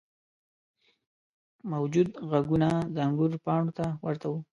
موجود غوږونه د انګور پاڼو ته ورته وو.